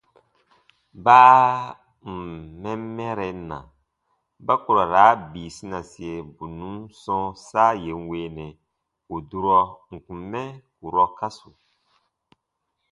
Baa ǹ n mɛn mɛran na, ba ku ra raa bii sinasie bù nùn sɔ̃ɔ saa yè n weenɛ ù durɔ n kùn mɛ kurɔ kasu.